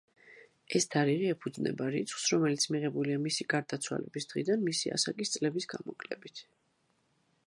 ეს თარიღი ეფუძნება რიცხვს, რომელიც მიღებულია მისი გარდაცვალების დღიდან მისი ასაკის წლების გამოკლებით.